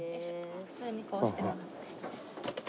普通にこうしてもらって。